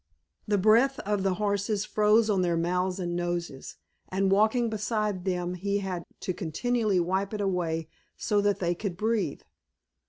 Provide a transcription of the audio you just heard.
The breath of the horses froze on their mouths and noses, and walking beside them he had to continually wipe it away so that they could breathe.